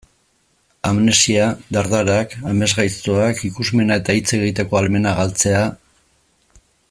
Amnesia, dardarak, amesgaiztoak, ikusmena eta hitz egiteko ahalmena galtzea...